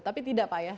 tapi tidak pak ya